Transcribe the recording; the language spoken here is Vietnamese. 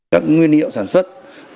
các nguyên liệu sản xuất